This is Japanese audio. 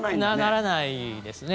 ならないですね。